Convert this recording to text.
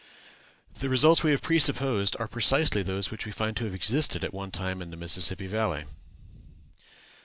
The results we have presupposed are precisely those which we find to have existed at one time in the Mississippi Valley.